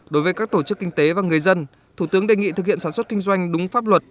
đối với các tổ chức kinh tế và người dân thủ tướng đề nghị thực hiện sản xuất kinh doanh đúng pháp luật